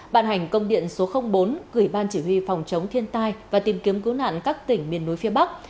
bàn hành công điện số bốn gửi ban chỉ huy phòng chống thiên tai và tìm kiếm cứu nạn các tỉnh miền núi phía bắc